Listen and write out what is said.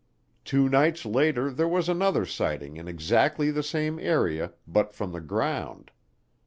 Two nights later there was another sighting in exactly the same area but from the ground.